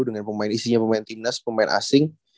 dengan pemain isinya pemain tim nas pemain asing